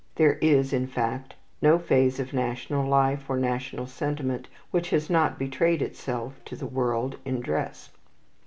There is, in fact, no phase of national life or national sentiment which has not betrayed itself to the world in dress.